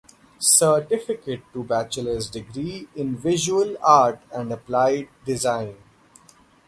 Certificate to bachelor's degree in Visual Art and Applied Design.